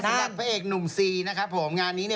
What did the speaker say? สำหรับพระเอกหนุ่มซีงานนี้บรรดาแฟนคลับ